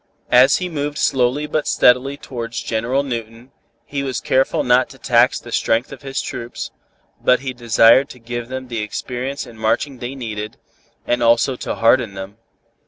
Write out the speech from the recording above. As he moved slowly but steadily towards General Newton, he was careful not to tax the strength of his troops, but he desired to give them the experience in marching they needed, and also to harden them.